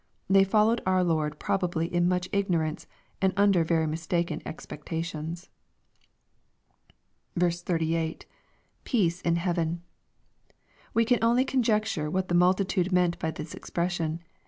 They followed our Lord probably in much ignorance, and under very mistaken expectations. 38.— [Peace in heaven.] We can only conjecture what the multitude meant by this expression.